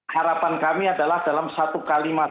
harapan kami adalah dalam satu kalimat